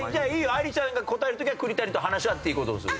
あいりちゃんが答える時は栗谷と話し合っていい事にする。